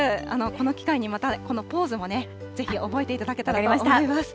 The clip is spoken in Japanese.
この機会にまた、このポーズもね、ぜひ覚えていただけたらと思います。